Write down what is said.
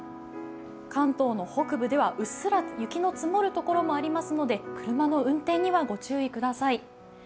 関東の北部では、うっすらと雪の積もる所もありますので、車の運転にはご注意ください。